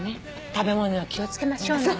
食べ物には気を付けましょうね。